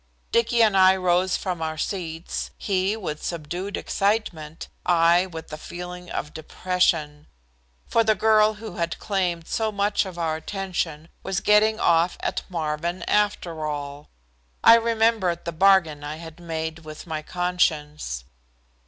Dicky and I rose from our seats, he with subdued excitement, I with a feeling of depression. For the girl who had claimed so much of our attention was getting off at Marvin after all. I remembered the bargain I had made with my conscience.